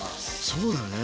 そうだね。